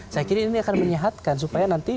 saya kira ini akan menyehatkan supaya nanti